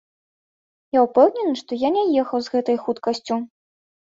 Я упэўнены, што я не ехаў з гэтай хуткасцю.